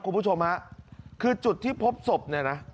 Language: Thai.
คุณผู้ชมฮะคือจุดที่พบศพเนี่ยนะ